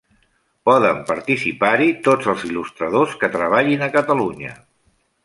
Poden participar-hi tots els il·lustradors que treballin a Catalunya.